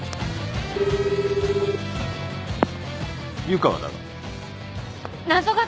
湯川だが。